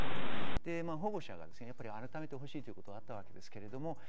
保護者が改めてほしいということがありました。